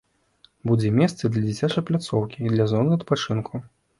Будзе месца і для дзіцячай пляцоўкі, і для зоны адпачынку.